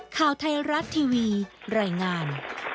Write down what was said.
ข่าวไทยรัฐทีวีรายงาน